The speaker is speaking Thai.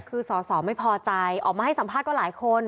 คือสอสอไม่พอใจออกมาให้สัมภาษณ์ก็หลายคน